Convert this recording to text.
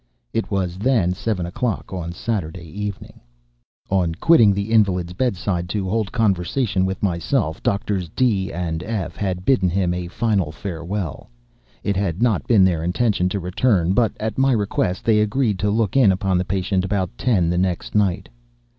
It was then seven o'clock on Saturday evening. On quitting the invalid's bed side to hold conversation with myself, Doctors D—— and F—— had bidden him a final farewell. It had not been their intention to return; but, at my request, they agreed to look in upon the patient about ten the next night.